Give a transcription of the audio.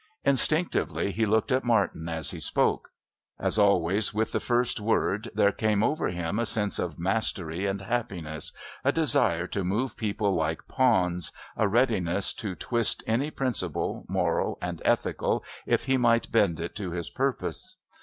Instinctively he looked at Martin as he spoke. As always, with the first word there came over him a sense of mastery and happiness, a desire to move people like pawns, a readiness to twist any principle, moral and ethical, if he might bend it to his purpose.